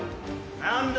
何だ？